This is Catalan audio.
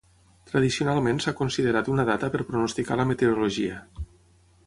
Tradicionalment s'ha considerat una data per pronosticar la meteorologia.